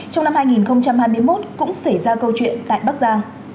trong năm hai nghìn hai mươi một cũng xảy ra câu chuyện tại bắc giang